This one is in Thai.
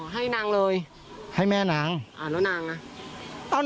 ให้นางเลยแล้วนางให้แม่นาง